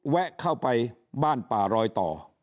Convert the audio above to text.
แวะเข้าไปบ้านป่ารอยต่อ